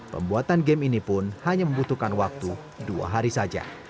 pembuatan game ini pun hanya membutuhkan waktu dua hari saja